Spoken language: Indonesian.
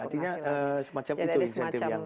artinya semacam itu insentif yang